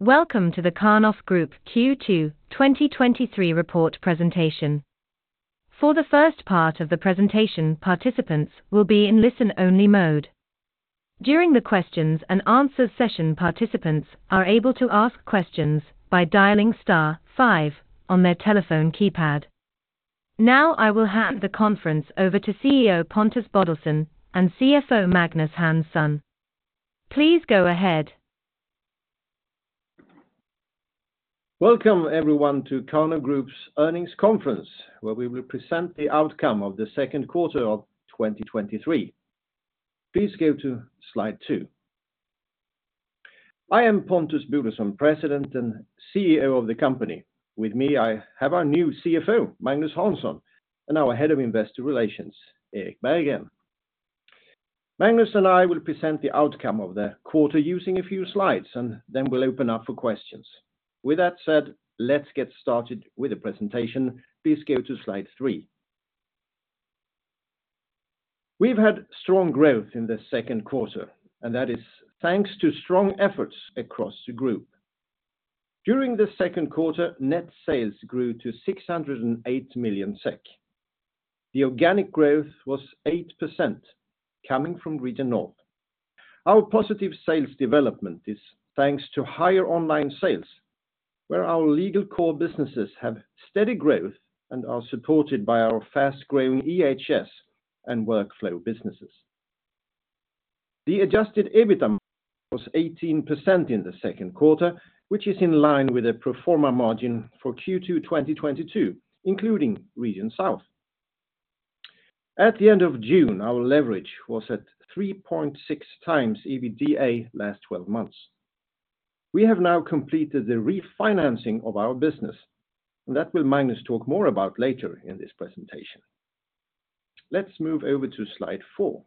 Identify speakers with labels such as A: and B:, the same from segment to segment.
A: Welcome to the Karnov Group Q2 2023 Report Presentation. For the first part of the presentation, participants will be in listen-only mode. During the questions and answers session, participants are able to ask questions by dialing star five on their telephone keypad. Now, I will hand the conference over to CEO Pontus Bodelsson and CFO Magnus Hansson. Please go ahead.
B: Welcome, everyone, to Karnov Group's earnings conference, where we will present the outcome of the second quarter of 2023. Please go to Slide 2. I am Pontus Bodelsson, President and CEO of the company. With me, I have our new CFO, Magnus Hansson, and our Head of Investor Relations, Erik Berggren. Magnus and I will present the outcome of the quarter using a few Slides, and then we'll open up for questions. With that said, let's get started with the presentation. Please go to Slide 3. We've had strong growth in the second quarter, and that is thanks to strong efforts across the group. During the second quarter, net sales grew to 608 million SEK. The organic growth was 8%, coming from Region North. Our positive sales development is thanks to higher online sales, where our legal core businesses have steady growth and are supported by our fast-growing EHS and workflow businesses. The adjusted EBITDA was 18% in the second quarter, which is in line with a pro forma margin for Q2 2022, including Region South. At the end of June, our leverage was at 3.6x EBITDA last 12 months. We have now completed the refinancing of our business, and that will Magnus talk more about later in this presentation. Let's move over to Slide 4.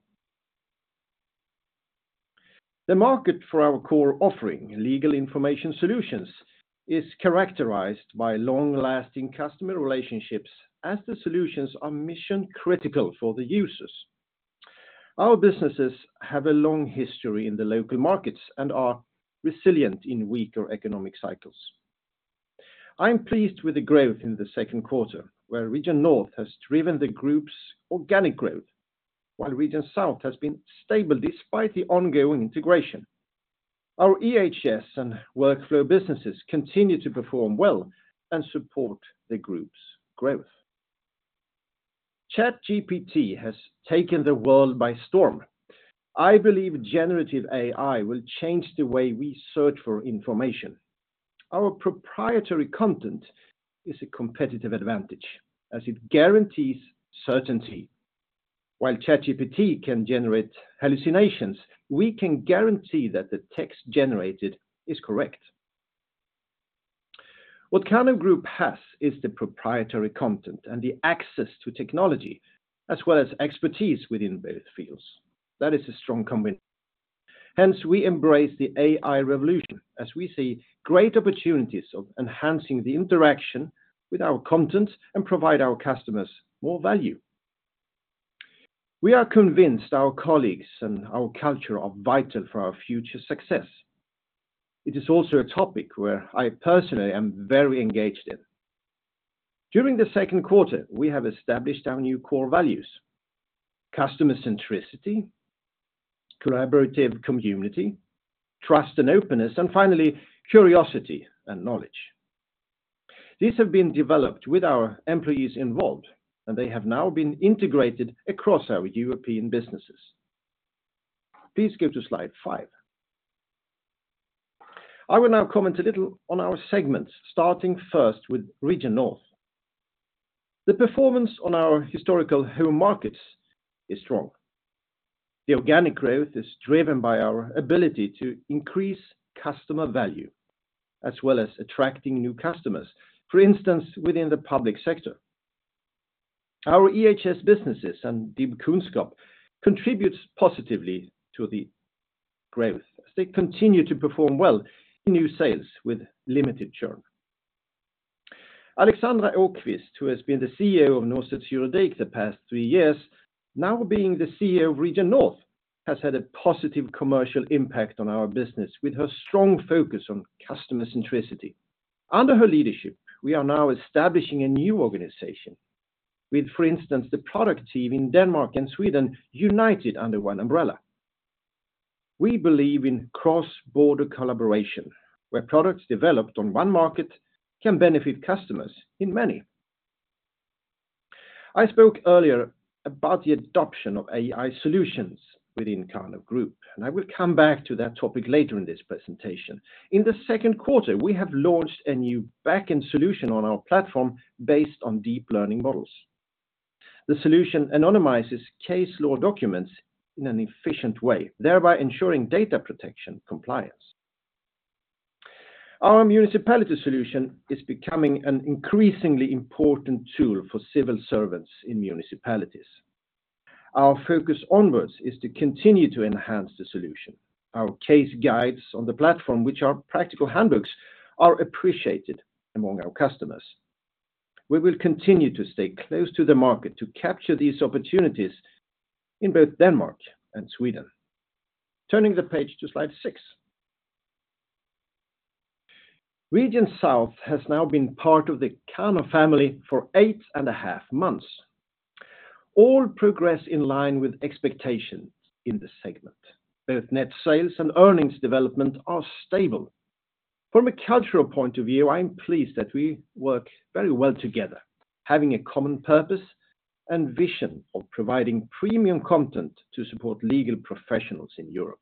B: The market for our core offering, legal information solutions, is characterized by long-lasting customer relationships as the solutions are mission-critical for the users. Our businesses have a long history in the local markets and are resilient in weaker economic cycles. I'm pleased with the growth in the second quarter, where Region North has driven the group's organic growth, while Region South has been stable despite the ongoing integration. Our EHS and workflow businesses continue to perform well and support the group's growth. ChatGPT has taken the world by storm. I believe generative AI will change the way we search for information. Our proprietary content is a competitive advantage as it guarantees certainty. While ChatGPT can generate hallucinations, we can guarantee that the text generated is correct. What Karnov Group has is the proprietary content and the access to technology, as well as expertise within both fields. That is a strong combination. Hence, we embrace the AI revolution as we see great opportunities of enhancing the interaction with our content and provide our customers more value. We are convinced our colleagues and our culture are vital for our future success. It is also a topic where I personally am very engaged in. During the second quarter, we have established our new core values: customer centricity, collaborative community, trust and openness, and finally, curiosity and knowledge. These have been developed with our employees involved, and they have now been integrated across our European businesses. Please go to Slide five. I will now comment a little on our segments, starting first with Region North. The performance on our historical home markets is strong. The organic growth is driven by our ability to increase customer value, as well as attracting new customers, for instance, within the public sector. Our EHS businesses and DIBkunnskap contributes positively to the growth as they continue to perform well in new sales with limited churn. Alexandra Åquist, who has been the CEO of Norstedts Juridik the past three years, now being the CEO of Region North, has had a positive commercial impact on our business with her strong focus on customer centricity. Under her leadership, we are now establishing a new organization with, for instance, the product team in Denmark and Sweden, united under one umbrella. I spoke earlier about the adoption of AI solutions within Karnov Group, and I will come back to that topic later in this presentation. In the second quarter, we have launched a new back-end solution on our platform based on deep learning models. The solution anonymizes case law documents in an efficient way, thereby ensuring data protection compliance. Our municipality solution is becoming an increasingly important tool for civil servants in municipalities. Our focus onwards is to continue to enhance the solution. Our case guides on the platform, which are practical handbooks, are appreciated among our customers. We will continue to stay close to the market to capture these opportunities in both Denmark and Sweden. Turning the page to Slide 6. Region South has now been part of the Karnov family for eight and a half months. All progress in line with expectations in the segment, both net sales and earnings development are stable. From a cultural point of view, I'm pleased that we work very well together, having a common purpose and vision of providing premium content to support legal professionals in Europe.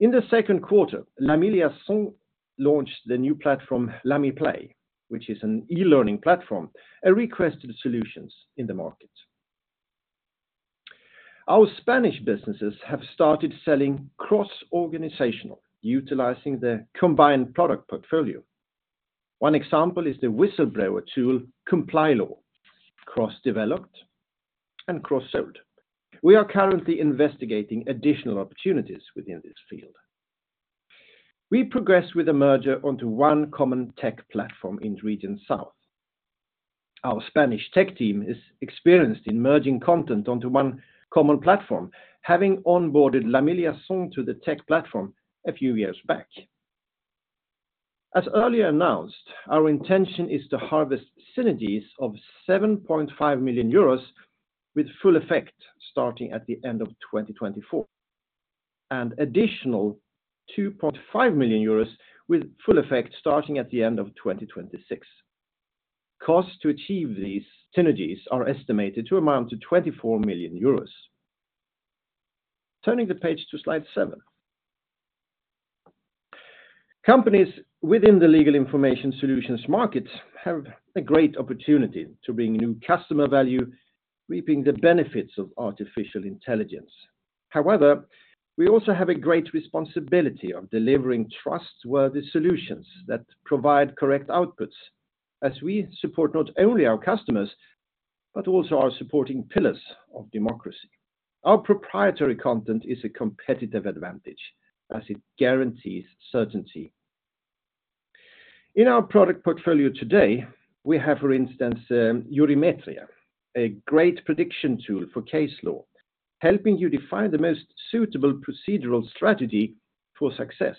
B: In the second quarter, Lamy Liaisons launched the new platform, Lamy Play, which is an e-learning platform, a requested solutions in the market. Our Spanish businesses have started selling cross-organizational, utilizing the combined product portfolio. One example is the whistleblower tool, Complylaw, cross-developed and cross-sold. We are currently investigating additional opportunities within this field. We progress with a merger onto one common tech platform in Region South. Our Spanish tech team is experienced in merging content onto one common platform, having onboarded Lamy Liaisons to the tech platform a few years back. As earlier announced, our intention is to harvest synergies of 7.5 million euros, with full effect starting at the end of 2024, and additional 2.5 million euros, with full effect starting at the end of 2026. Costs to achieve these synergies are estimated to amount to 24 million euros. Turning the page to Slide 7. Companies within the legal information solutions market have a great opportunity to bring new customer value, reaping the benefits of artificial intelligence. However, we also have a great responsibility of delivering trustworthy solutions that provide correct outputs, as we support not only our customers, but also our supporting pillars of democracy. Our proprietary content is a competitive advantage as it guarantees certainty. In our product portfolio today, we have, for instance, Jurimetria, a great prediction tool for case law, helping you define the most suitable procedural strategy for success.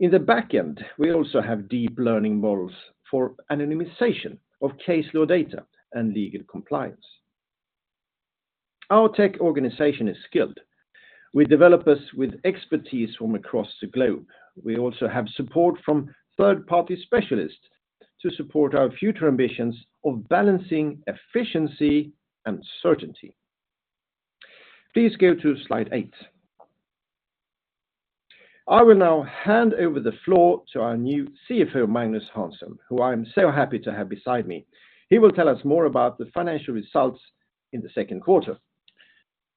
B: In the back end, we also have deep learning models for anonymization of case law data and legal compliance. Our tech organization is skilled with developers with expertise from across the globe. We also have support from third-party specialists to support our future ambitions of balancing efficiency and certainty. Please go to Slide 8. I will now hand over the floor to our new CFO, Magnus Hansson, who I'm so happy to have beside me. He will tell us more about the financial results in the second quarter.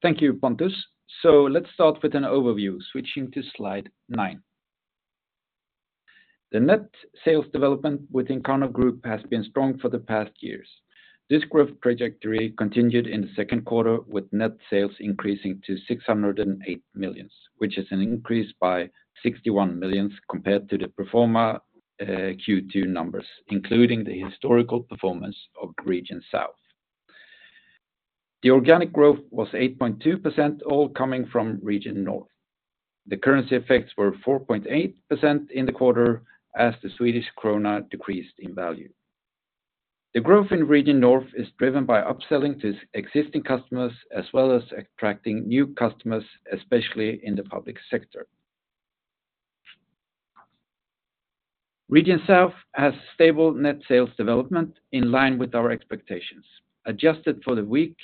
C: Thank you, Pontus. Let's start with an overview, switching to Slide 9. The net sales development within Karnov Group has been strong for the past years. This growth trajectory continued in the second quarter, with net sales increasing to 608 million, which is an increase by 61 million compared to the pro forma Q2 numbers, including the historical performance of Region South. The organic growth was 8.2%, all coming from Region North. The currency effects were 4.8% in the quarter as the Swedish krona decreased in value. The growth in Region North is driven by upselling to existing customers, as well as attracting new customers, especially in the public sector. Region South has stable net sales development in line with our expectations. Adjusted for the weak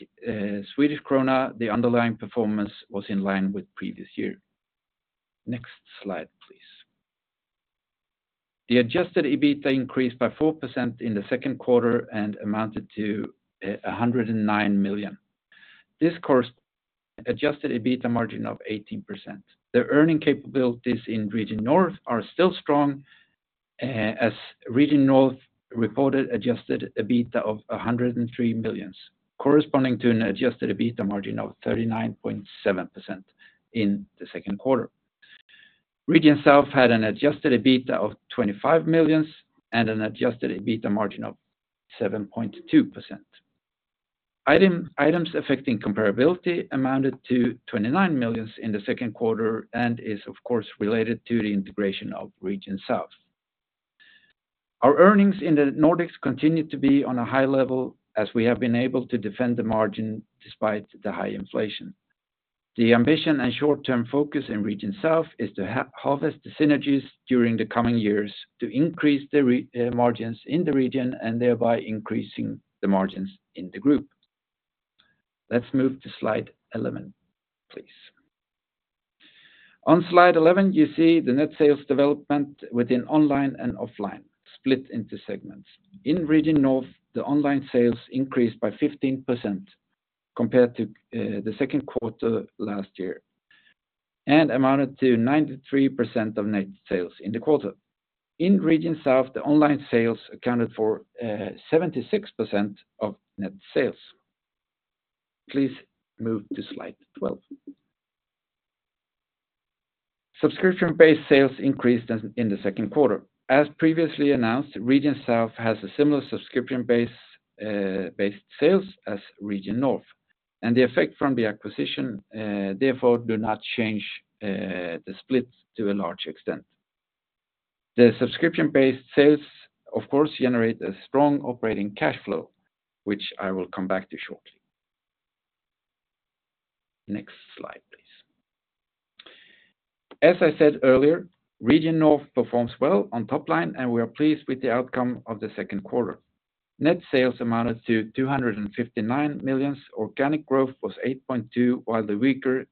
C: Swedish krona, the underlying performance was in line with previous year. Next slide, please. The adjusted EBITDA increased by 4% in the second quarter and amounted to 109 million. This quarter's, adjusted EBITDA margin of 18%. The earning capabilities in Region North are still strong, as Region North reported adjusted EBITDA of 103 million, corresponding to an adjusted EBITDA margin of 39.7% in the second quarter. Region South had an adjusted EBITDA of 25 million and an adjusted EBITDA margin of 7.2%. Items affecting comparability amounted to 29 million in the second quarter and is, of course, related to the integration of Region South. Our earnings in the Nordics continued to be on a high level as we have been able to defend the margin despite the high inflation. The ambition and short-term focus in Region South is to harvest the synergies during the coming years to increase the margins in the region and thereby increasing the margins in the group. Let's move to Slide 11, please. On Slide 11, you see the net sales development within online and offline, split into segments. In Region North, the online sales increased by 15% compared to the second quarter last year and amounted to 93% of net sales in the quarter. In Region South, the online sales accounted for 76% of net sales. Please move to Slide 12. Subscription-based sales increased in the second quarter. As previously announced, Region South has a similar subscription-based sales as Region North, and the effect from the acquisition therefore, do not change the split to a large extent. The subscription-based sales, of course, generate a strong operating cash flow, which I will come back to shortly. Next slide, please. As I said earlier, Region North performs well on top line, and we are pleased with the outcome of the second quarter. Net sales amounted to 259 million. Organic growth was 8.2, while the weaker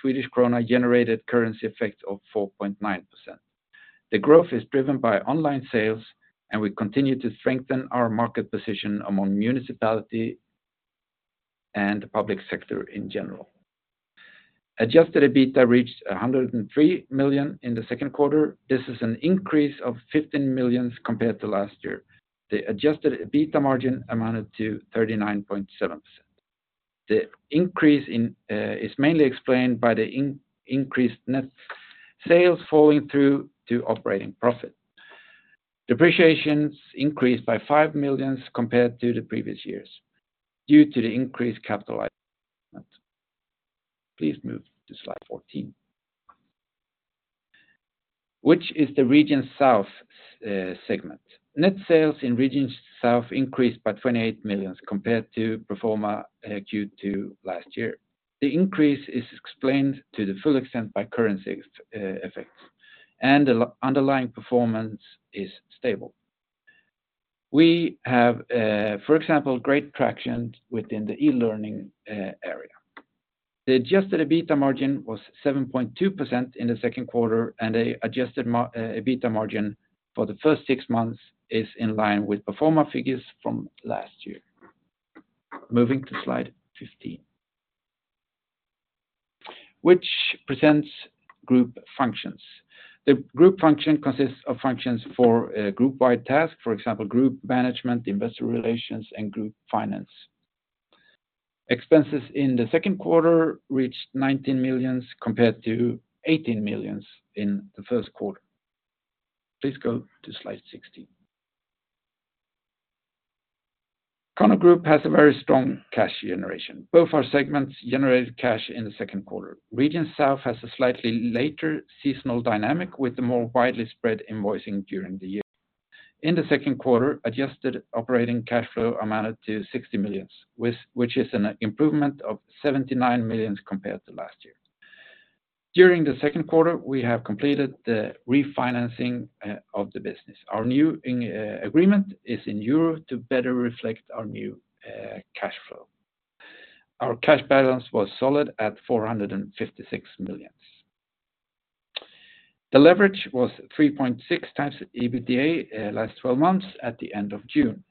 C: Swedish krona generated currency effect of 4.9%. The growth is driven by online sales, and we continue to strengthen our market position among municipality and public sector in general. Adjusted EBITDA reached 103 million in the second quarter. This is an increase of 15 million compared to last year. The adjusted EBITDA margin amounted to 39.7%. The increase is mainly explained by the increased net sales falling through to operating profit. Depreciations increased by 5 million compared to the previous years due to the increased capital outlay. Please move to Slide 14, which is the Region South segment. Net sales in Region South increased by 28 million compared to pro forma Q2 last year. The increase is explained to the full extent by currency effects. The underlying performance is stable. We have, for example, great traction within the e-learning area. The adjusted EBITDA margin was 7.2% in the second quarter. The adjusted EBITDA margin for the first six months is in line with pro forma figures from last year. Moving to Slide 15, which presents group functions. The group function consists of functions for a group-wide task, for example, group management, investor relations, and group finance. Expenses in the second quarter reached 19 million compared to 18 million in the first quarter. Please go to Slide 16. Karnov Group has a very strong cash generation. Both our segments generated cash in the second quarter. Region South has a slightly later seasonal dynamic, with a more widely spread invoicing during the year. In the second quarter, adjusted operating cash flow amounted to 60 million, which is an improvement of 79 million compared to last year. During the second quarter, we have completed the refinancing of the business. Our new agreement is in Europe to better reflect our new cash flow. Our cash balance was solid at 456 million. The leverage was 3.6x EBITDA last twelve months at the end of June.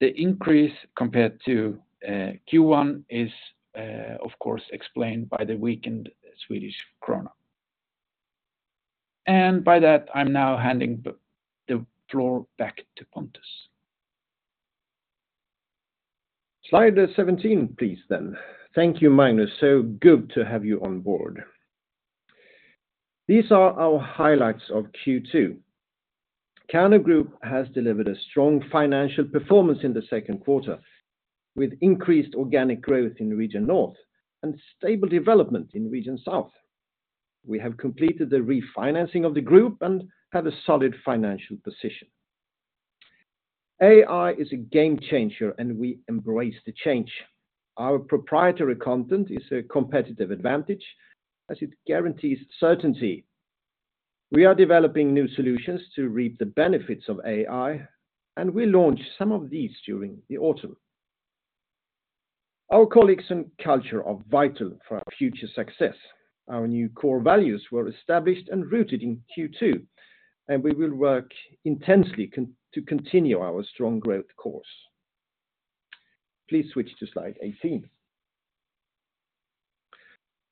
C: The increase compared to Q1 is, of course, explained by the weakened Swedish krona. By that, I'm now handing the floor back to Pontus.
B: Slide 17, please. Thank you, Magnus. Good to have you on board. These are our highlights of Q2. Karnov Group has delivered a strong financial performance in the second quarter, with increased organic growth in Region North and stable development in Region South. We have completed the refinancing of the group and have a solid financial position. AI is a game changer, and we embrace the change. Our proprietary content is a competitive advantage as it guarantees certainty. We are developing new solutions to reap the benefits of AI, and we launch some of these during the autumn. Our colleagues and culture are vital for our future success. Our new core values were established and rooted in Q2, and we will work intensely to continue our strong growth course. Please switch to Slide 18.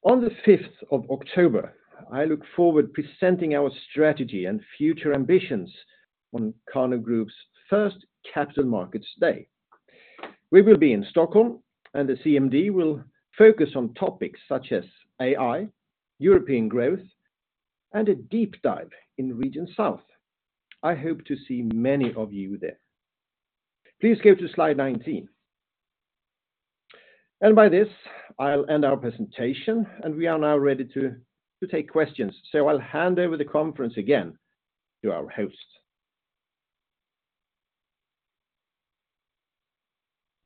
B: On the 5th of October, I look forward presenting our strategy and future ambitions on Karnov Group's first Capital Markets Day. We will be in Stockholm, the CMD will focus on topics such as AI, European growth, and a deep dive in Region South. I hope to see many of you there. Please go to Slide 19. By this, I'll end our presentation, and we are now ready to take questions. I'll hand over the conference again to our host.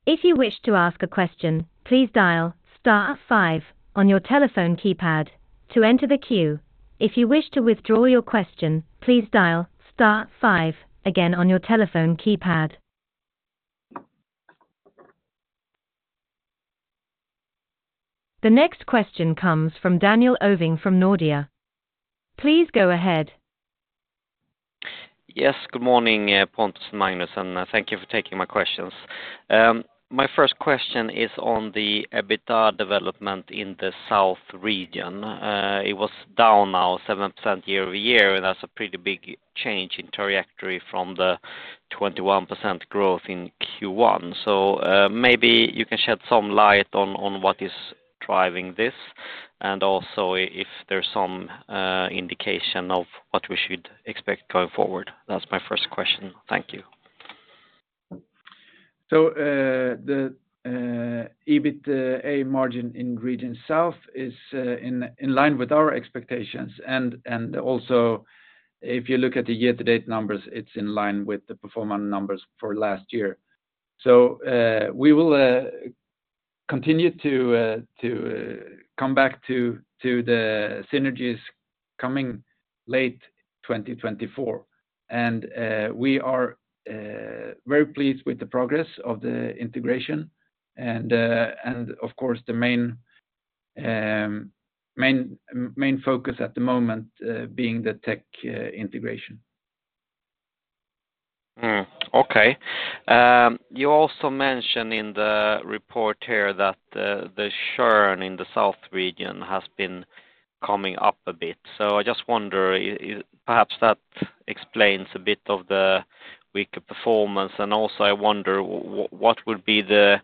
A: If you wish to ask a question, please dial star five on your telephone keypad to enter the queue. If you wish to withdraw your question, please dial star five again on your telephone keypad. The next question comes from Daniel Ovin from Nordea. Please go ahead.
D: Yes, good morning, Pontus and Magnus, and thank you for taking my questions. My first question is on the EBITDA development in the South Region. It was down now 7% year-over-year, and that's a pretty big change in trajectory from the 21% growth in Q1. Maybe you can shed some light on what is driving this, and also if there's some indication of what we should expect going forward. That's my first question. Thank you.
C: The EBIT margin in Region South is in line with our expectations. And also, if you look at the year-to-date numbers, it's in line with the performance numbers for last year. We will continue to come back to the synergies coming late 2024. And we are very pleased with the progress of the integration, and of course, the main main focus at the moment being the tech integration.
D: Okay. You also mentioned in the report here that the, the churn in the Region South has been coming up a bit. I just wonder, perhaps that explains a bit of the weaker performance, I also wonder what would be the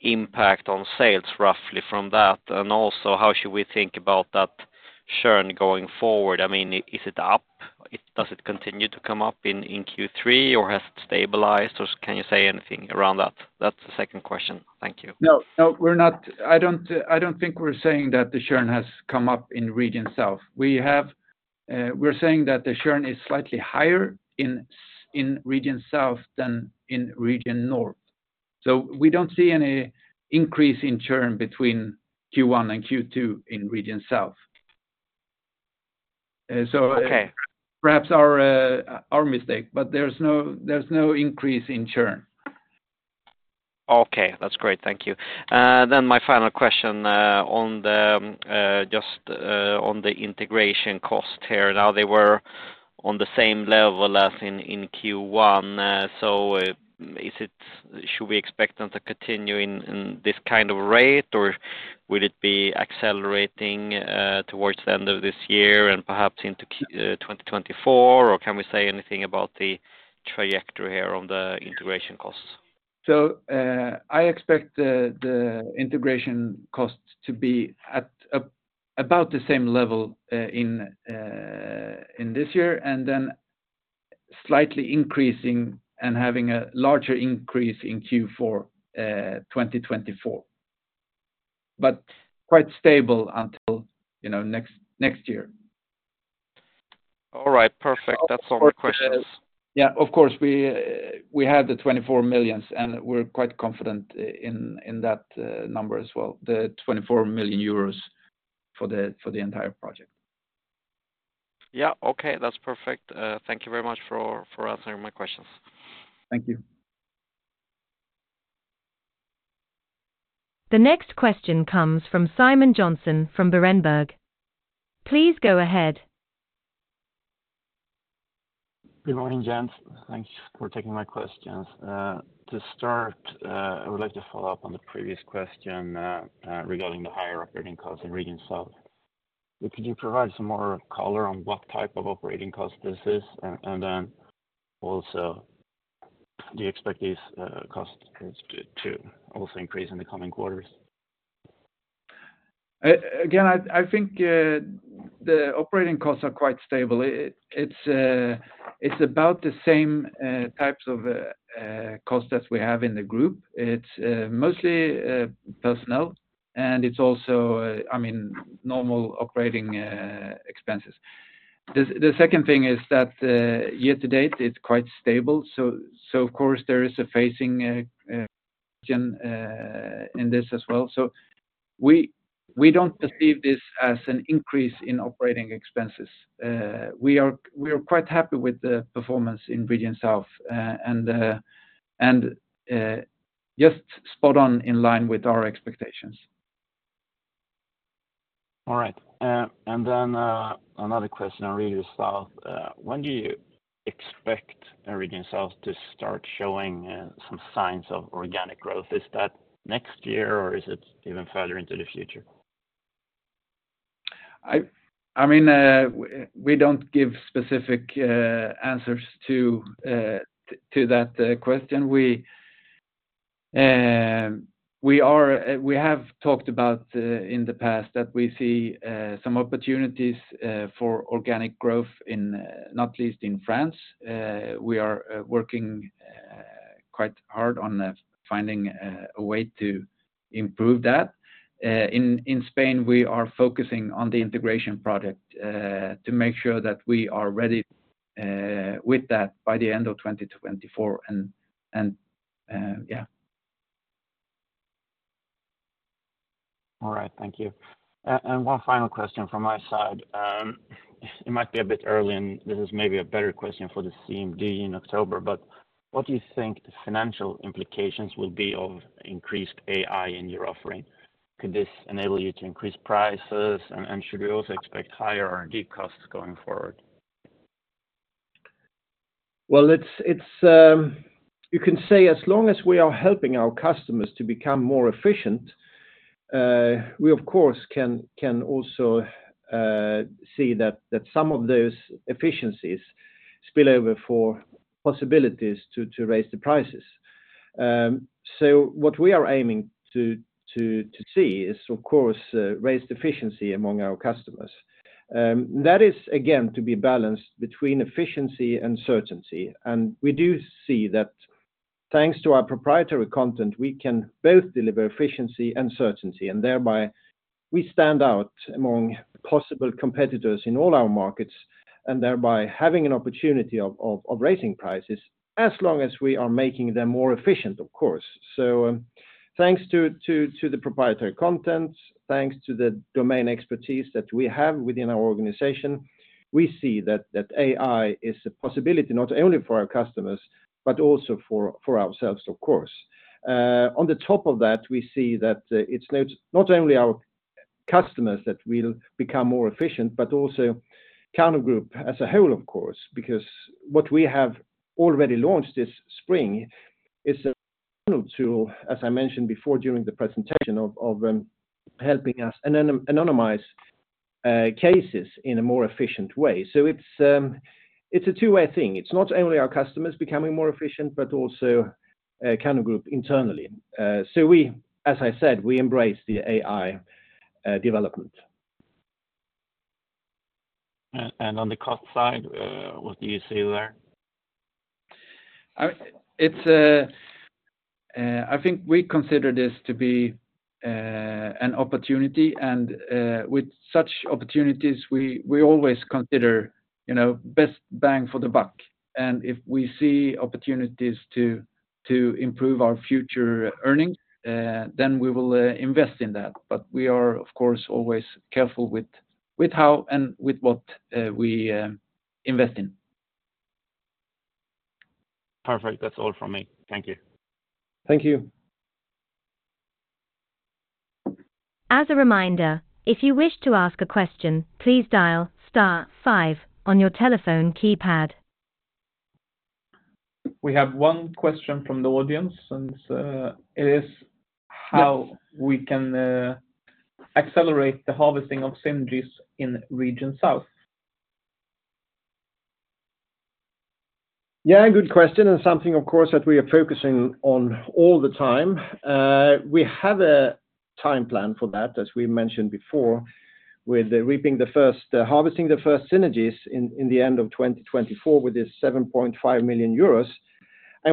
D: impact on sales, roughly, from that? How should we think about that churn going forward? I mean, is it up? Does it continue to come up in, in Q3, or has it stabilized, or can you say anything around that? That's the second question. Thank you.
C: I don't think we're saying that the churn has come up in Region South. We're saying that the churn is slightly higher in Region South than in Region North. We don't see any increase in churn between Q1 and Q2 in Region South.
D: Okay.
C: Perhaps our, our mistake, but there's no, there's no increase in churn.
D: Okay. That's great, thank you. My final question on the just on the integration cost here. They were on the same level as in, in Q1. Should we expect them to continue in, in this kind of rate, or will it be accelerating towards the end of this year and perhaps into Q 2024? Can we say anything about the trajectory here on the integration costs?
C: I expect the, the integration costs to be about the same level in this year, and then slightly increasing and having a larger increase in Q4 2024. Quite stable until, you know, next, next year.
D: All right, perfect.
C: Of course—
D: That's all my questions.
C: Yeah, of course, we had the 24 million, and we're quite confident in that number as well, the 24 million euros for the entire project.
D: Yeah. Okay, that's perfect. Thank you very much for, for answering my questions.
C: Thank you.
A: The next question comes from Simon Jonsson from Berenberg. Please go ahead.
E: Good morning, gents. Thanks for taking my questions. To start, I would like to follow up on the previous question, regarding the higher operating costs in Region South. Could you provide some more color on what type of operating cost this is? And, and then also, do you expect these costs, costs to, to also increase in the coming quarters?
C: Again, I, I think, the operating costs are quite stable. It's, it's about the same types of costs that we have in the group. It's mostly personnel, and it's also, I mean, normal operating expenses. The second thing is that, year to date, it's quite stable. Of course, there is a phasing in this as well. We, we don't perceive this as an increase in operating expenses. We are, we are quite happy with the performance in Region South, and, and just spot on in line with our expectations.
E: All right. Another question on Region South. When do you expect Region South to start showing some signs of organic growth? Is that next year, or is it even further into the future?
C: I, I mean, we don't give specific answers to to that question. We, we have talked about in the past that we see some opportunities for organic growth in not least in France. We are working quite hard on finding a way to improve that. In Spain, we are focusing on the integration project to make sure that we are ready with that by the end of 2024.
E: All right, thank you. One final question from my side. It might be a bit early, and this is maybe a better question for the CMD in October, but what do you think the financial implications will be of increased AI in your offering? Could this enable you to increase prices, and should we also expect higher R&D costs going forward?
B: Well, it's, it's, you can say as long as we are helping our customers to become more efficient we of course, can, can also, see that some of those efficiencies spill over for possibilities to raise the prices. What we are aiming to see is, of course, raised efficiency among our customers. That is again, to be balanced between efficiency and certainty, and we do see that thanks to our proprietary content, we can both deliver efficiency and certainty, and thereby we stand out among possible competitors in all our markets, and thereby having an opportunity of raising prices as long as we are making them more efficient, of course. Thanks to the proprietary content, thanks to the domain expertise that we have within our organization, we see that AI is a possibility not only for our customers, but also for ourselves, of course. On the top of that, we see that it's not, not only our customers that will become more efficient, but also Karnov Group as a whole, of course, because what we have already launched this spring is a tool, as I mentioned before, during the presentation of helping us anonymize cases in a more efficient way. It's a two-way thing. It's not only our customers becoming more efficient, but also Karnov Group internally. We, as I said, we embrace the AI development.
E: On the cost side, what do you see there?
B: It's I think we consider this to be an opportunity, with such opportunities, we, we always consider, you know, best bang for the buck. If we see opportunities to, to improve our future earnings, then we will invest in that. We are, of course, always careful with, with how and with what, we invest in.
E: Perfect. That's all from me. Thank you.
B: Thank you.
A: As a reminder, if you wish to ask a question, please dial star five on your telephone keypad.
F: We have one question from the audience, and, it is how we can accelerate the harvesting of synergies in Region South.
B: Good question, and something, of course, that we are focusing on all the time. We have a time plan for that, as we mentioned before, with reaping the first, harvesting the first synergies in, in the end of 2024 with this 7.5 million euros,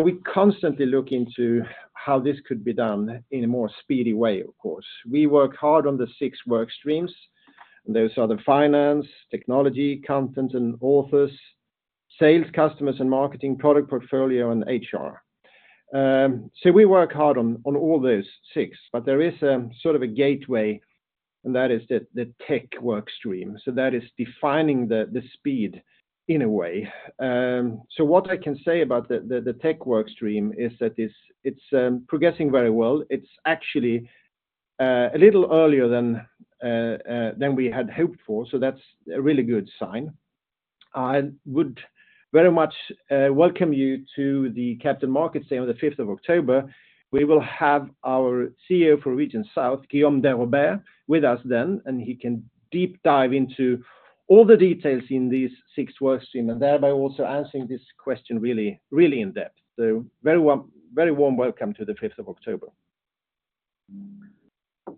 B: we constantly look into how this could be done in a more speedy way, of course. We work hard on the 6 work streams. Those are the finance, technology, content, and authors, sales, customers, and marketing, product portfolio, and HR. We work hard on, on all those 6, but there is a sort of a gateway, that is the, the tech work stream. That is defining the, the speed in a way. What I can say about the, the, the tech work stream is that it's, it's progressing very well. It's actually a little earlier than than we had hoped for, so that's a really good sign. I would very much welcome you to the Capital Markets Day on the 5th of October. We will have our CEO for Region South, Guillaume Deroubaix, with us then, and he can deep dive into all the details in these 6 work stream, and thereby also answering this question really, really in-depth. Very warm, very warm welcome to the 5th of October.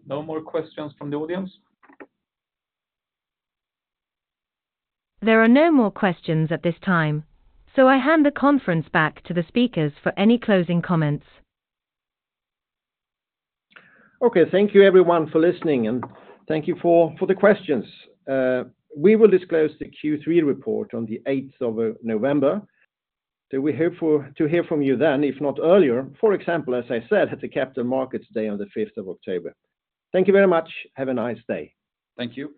F: No more questions from the audience?
A: There are no more questions at this time. I hand the conference back to the speakers for any closing comments.
B: Okay, thank you, everyone, for listening, and thank you for, for the questions. We will disclose the Q3 report on the eighth of November. We hope for to hear from you then, if not earlier. For example, as I said, at the Capital Markets Day on the fifth of October. Thank you very much. Have a nice day.
F: Thank you.